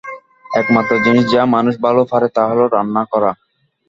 একমাত্র জিনিস যা মানুষ ভালো পারে তা হল রান্না করা।